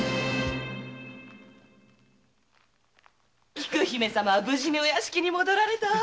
菊姫様は無事にお屋敷に戻られたわ。